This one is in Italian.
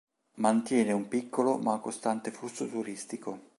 Mantiene un piccolo, ma costante, flusso turistico.